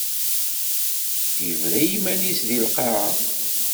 Yebra i yiman-is deg lqaɛa.